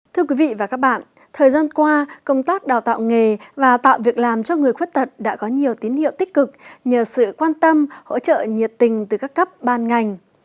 thưa quý vị và các bạn thời gian qua công tác đào tạo nghề và tạo việc làm cho người khuyết tật đã có nhiều tín hiệu tích cực nhờ sự quan tâm hỗ trợ nhiệt tình từ các cấp ban ngành